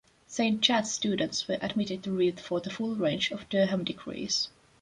Saint Chad's students were admitted to read for the full range of Durham degrees.